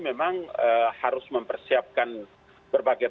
memang harus mempersiapkan berbagai